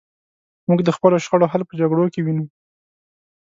موږ د خپلو شخړو حل په جګړو کې وینو.